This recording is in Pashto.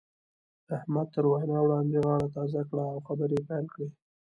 احمد تر وينا وړاندې غاړه تازه کړه او خبرې يې پيل کړې.